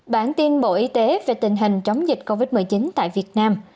bộ y tế về tình hình chống dịch covid một mươi chín tại việt nam